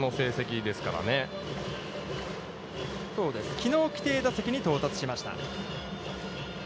きのう規定打席に到達しました。